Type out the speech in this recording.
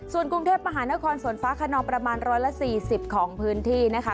ส่วนกรุงเทพมหานครฝนฟ้าขนองประมาณ๑๔๐ของพื้นที่นะคะ